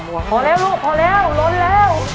พอแล้วลูกพอแล้วล้นแล้ว